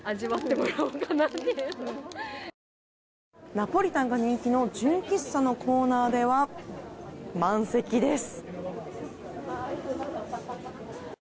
ナポリタンが人気の純喫茶のコーナーでは満席です。